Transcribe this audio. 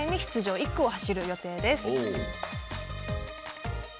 １区を走る予定です。